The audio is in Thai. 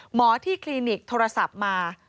หมอที่คลินิกโทรศัพท์มา